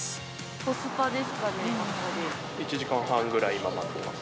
コスパですかね、１時間半ぐらい、今、待ってます。